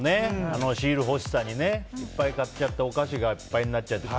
あのシール欲しさにいっぱい買っちゃってお菓子がいっぱいになっちゃって。